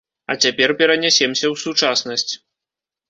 А цяпер перанясемся ў сучаснасць.